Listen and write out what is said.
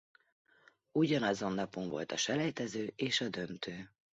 Ugyan azon napon volt a selejtező és a döntő.